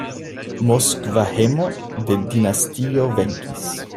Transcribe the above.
Moskva hejmo de dinastio venkis.